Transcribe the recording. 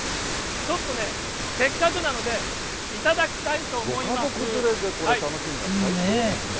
ちょっとね、せっかくなので、ご家族連れでこれ、楽しむには最高ですね。